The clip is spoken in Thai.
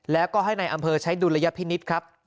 แล้วก็ให้ในอำเภอใช้ดุลยพินิษฐ์ครับ